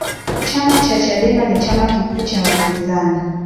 chama cha chadema ni chama kikuu cha upinzani